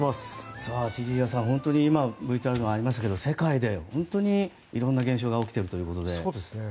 千々岩さん、今ＶＴＲでもありましたけど世界で本当にいろんな現象が起きているということで。